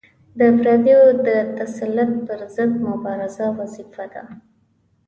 د پردیو د تسلط پر ضد مبارزه وظیفه ده.